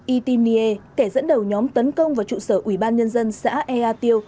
y tinh nghê kẻ dẫn đầu nhóm tấn công vào trụ sở ủy ban nhân dân xã ea tiêu